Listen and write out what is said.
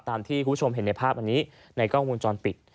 ตามที่คุณผู้ชมเห็นในภาพอันนี้ในกล้องวงจรปิด